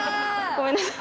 ごめんなさい。